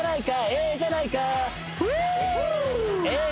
ええじゃないか！